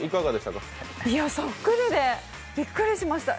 そっくりでびっくりしました。